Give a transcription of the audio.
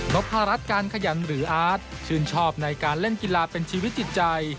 พรัชการขยันหรืออาร์ตชื่นชอบในการเล่นกีฬาเป็นชีวิตจิตใจ